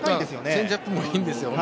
チェンジアップもいいんですよ。